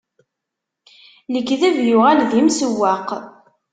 Lekdeb yuɣal d imsewweq.